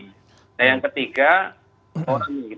nah yang ketiga orang